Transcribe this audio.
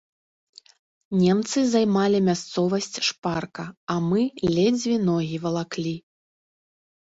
Немцы займалі мясцовасць шпарка, а мы ледзьве ногі валаклі.